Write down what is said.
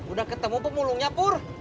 udah ketemu pemulungnya pur